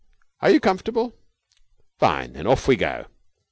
Are you comfortable? Fine! Then off we go."